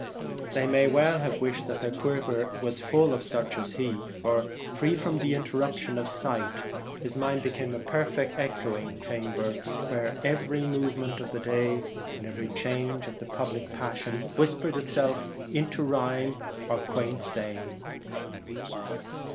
They may well have wished that their quiver were full of such as he, for, free from the interruption of sight, his mind became a perfect echoing chamber, where every movement of the day and every change of public passion whispered itself into rhyme or quaint saying.